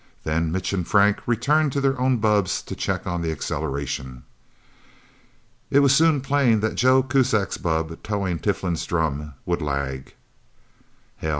Then Mitch and Frank returned to their own bubbs to check on the acceleration. It was soon plain that Joe Kuzak's bubb, towing Tiflin's drum, would lag. "Hell!"